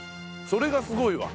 それがすごいわ。